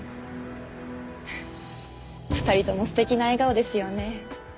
２人とも素敵な笑顔ですよね。